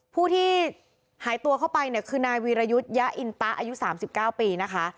ผู้ที่หายตัวเข้าไปเนี่ยคือนายวีรยุทธยะอินตะอายุ๓๙ปีนะคะ